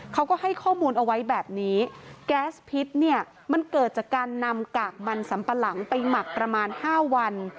เขาก็ให้ข้อมูลเอาไว้แบบนี้แก๊สพิษเนี่ยมันเกิดจากการนำกากมันสัมปะหลังไปหมักประมาณ๕วัน